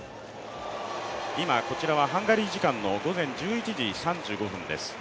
こちらは今、ハンガリー時間の午前１１時３５分です。